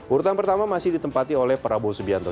urutan pertama masih ditempati oleh prabowo subianto